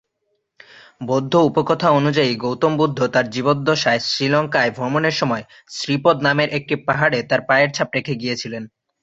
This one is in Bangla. বৌদ্ধ উপকথা অনুযায়ী গৌতম বুদ্ধ তার জীবদ্দশায় শ্রীলংকায় ভ্রমনের সময়ে "শ্রী পদ" নামের একটা পাহাড়ে তার পায়ের ছাপ রেখে গিয়েছিলেন।